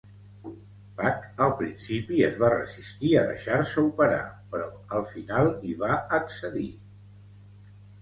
Bach, al principi, es va resistir a deixar-se operar, però al final hi va accedir.